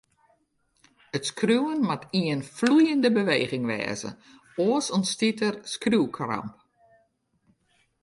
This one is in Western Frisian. It skriuwen moat ien floeiende beweging wêze, oars ûntstiet skriuwkramp.